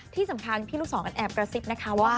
ที่สำคัญพี่ลูกศรแอบกระซิบนะคะว่า